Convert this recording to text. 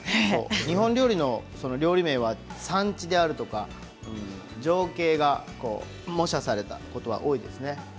日本料理の料理人では産地であるとか情景が模写されたことが多いですね。